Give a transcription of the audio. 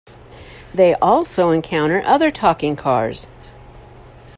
They also encounter other talking cars.